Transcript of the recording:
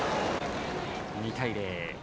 ２対０。